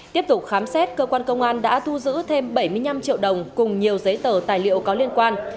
tiếp tục khám xét cơ quan công an đã thu giữ thêm bảy mươi năm triệu đồng cùng nhiều giấy tờ tài liệu có liên quan